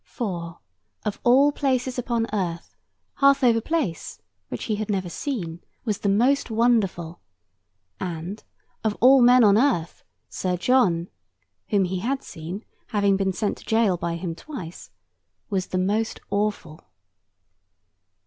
For, of all places upon earth, Harthover Place (which he had never seen) was the most wonderful, and, of all men on earth, Sir John (whom he had seen, having been sent to gaol by him twice) was the most awful.